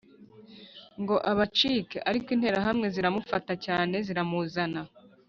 ngo abacike ariko interahamwe ziramufata cyane ziramuzana.